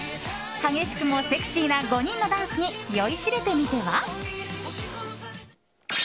激しくもセクシーな５人のダンスに酔いしれてみては？